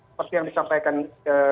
seperti yang disampaikan ke